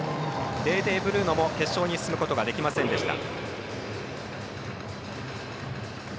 デーデーブルーノも決勝に進むことができませんでした。